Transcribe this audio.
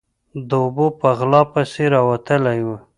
_د اوبو په غلا پسې راوتلی.